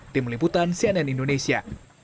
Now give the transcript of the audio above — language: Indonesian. tim liputan cnn indonesia